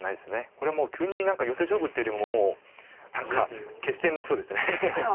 これもう急に何かヨセ勝負っていうよりも何か決戦になりそうです。